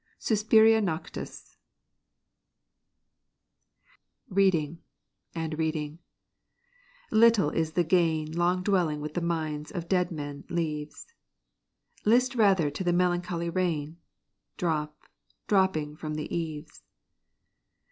SUSPIRIA NOCTIS Reading, and reading little is the gain Long dwelling with the minds of dead men leaves. List rather to the melancholy rain, Drop dropping from the eaves.